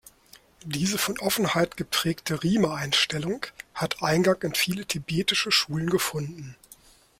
Diese von Offenheit geprägte „Rime-Einstellung“ hat Eingang in viele tibetische Schulen gefunden.